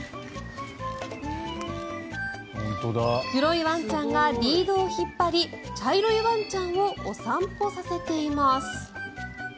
黒いワンちゃんがリードを引っ張り茶色いワンちゃんをお散歩させています。